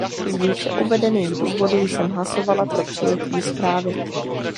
Z výše uvedených důvodů jsem hlasovala pro přijetí zprávy.